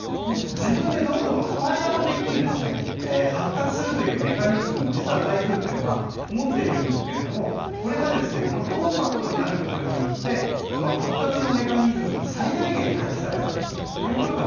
自分でどんどんスパイラル的に発達するというメカニズムを台風は持っているんですけれどこれがコンパクトになることによって発達のメカニズムが最大限に発揮されたことが